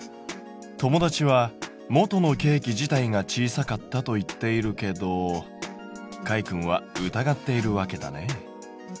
友達は「元のケーキ自体が小さかった」と言っているけどかいくんは疑っているわけだね。